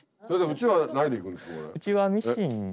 うちはミシンで。